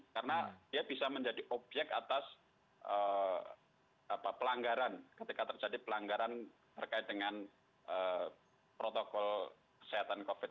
karena dia bisa menjadi objek atas pelanggaran ketika terjadi pelanggaran terkait dengan protokol kesehatan covid sembilan belas